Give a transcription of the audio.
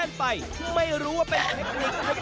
แต่ว่าแต่ละคนเนี่ยไม่รู้ว่าตั้งใจมาแข่งกันจริงหรือเปล่านะ